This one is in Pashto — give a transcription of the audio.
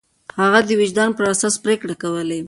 هغه د وجدان پر اساس پرېکړې کولې.